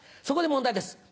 そこで問題です。